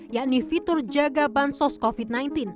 yakni fitur jaga bantuan sosial covid sembilan belas